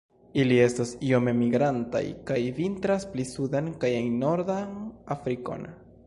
Ili estas iome migrantaj, kaj vintras pli suden kaj en nordan Afrikon.